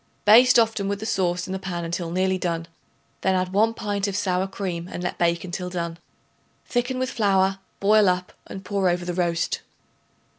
Baste often with the sauce in the pan until nearly done; then add 1 pint of sour cream and let bake until done. Thicken with flour; boil up and pour over the roast.